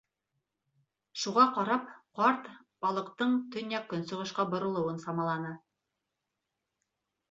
Шуға ҡарап ҡарт балыҡтың төньяҡ-көнсығышҡа боролоуын самаланы.